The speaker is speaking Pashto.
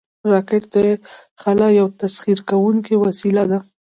راکټ د خلا یو تسخیر کوونکی وسیله ده